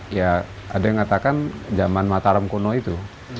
ada yang mengatakan zaman mataram kuno itu